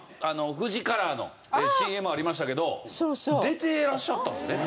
フジカラーのＣＭありましたけど出てらっしゃったんですね。